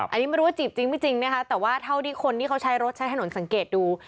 อันนี้ไม่รู้ว่าจีบจริงไม่จริงนะคะแต่ว่าเท่าที่คนที่เขาใช้รถใช้ถนนสังเกตดู